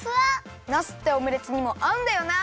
ナスってオムレツにもあうんだよな。